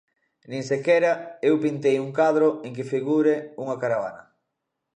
Nin sequera eu pintei un cadro en que figure unha caravana.